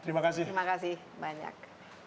terima kasih banyak